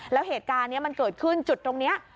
แล้วเหตุการณ์นี้มันเกิดขึ้นจุดตรงนี้